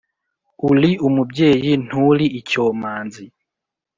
Uli umubyeyi ntuli icyomanzi